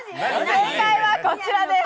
正解はこちらです。